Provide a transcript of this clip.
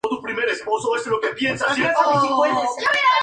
Recientemente tuvo el rol de Chuck en la película "Are We Done Yet?".